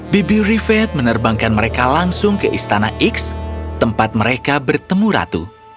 bibi rivet menerbangkan mereka langsung ke istana x tempat mereka bertemu ratu